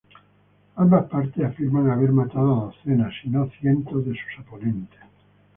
Ambas partes afirman haber matado a docenas, si no cientos, de sus oponentes.